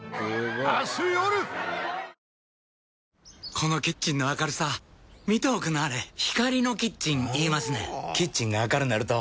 このキッチンの明るさ見ておくんなはれ光のキッチン言いますねんほぉキッチンが明るなると・・・